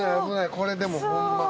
これでもホンマ。